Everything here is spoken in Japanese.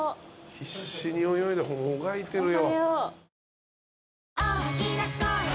必死に泳いでもがいてるよ。